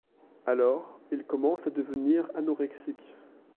Alors il commence à devenir anorexique…